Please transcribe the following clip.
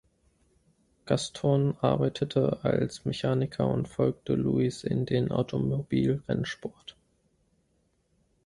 Gaston arbeitete als Mechaniker und folgte Louis in den Automobilrennsport.